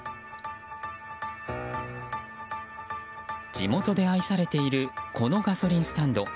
地元で愛されているこのガソリンスタンド。